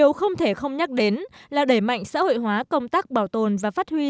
điều không thể không nhắc đến là đẩy mạnh xã hội hóa công tác bảo tồn và phát huy